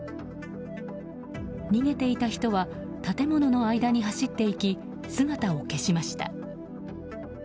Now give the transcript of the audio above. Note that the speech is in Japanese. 逃げていた人は建物の間に走っていき姿を消しました。